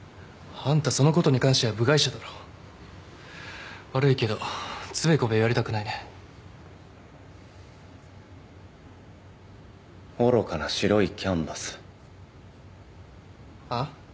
あんたそのことに関しては部外者だろ悪いけどつべこべ言われたくないね愚かな白いキャンバスあっ？